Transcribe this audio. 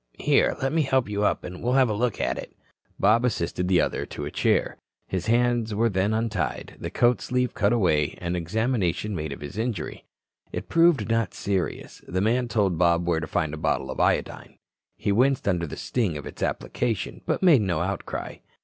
Here, let me help you up and we'll have a look at it." Bob assisted the other to a chair. His hands were then untied, the coat sleeve cut away and an examination made of his injury. It proved not serious. The man told Bob where to find a bottle of iodine. He winced under the sting of its application, but made no outcry.